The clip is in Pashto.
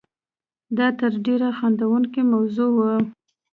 دا تر ډېره خندوونکې موضوع وه.